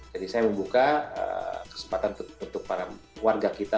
jadi saya membuka kesempatan untuk para warga kita